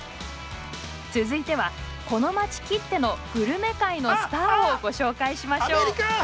続いてはこの街きってのグルメ界のスターをご紹介しましょう。